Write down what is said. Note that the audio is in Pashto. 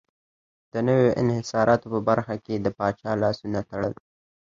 د نویو انحصاراتو په برخه کې یې د پاچا لاسونه تړل.